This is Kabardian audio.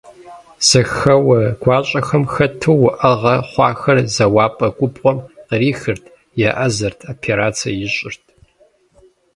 Зэхэуэ гуащӀэхэм хэту, уӀэгъэ хъуахэр зэуапӀэ губгъуэм кърихырт, еӀэзэрт, операцэ ищӀырт…